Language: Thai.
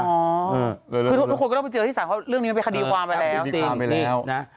ทุกคนก็ต้องเจอที่ศาลเรื่องนี้มันไปคดีความไปแล้ว